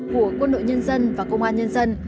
của quân đội nhân dân và công an nhân dân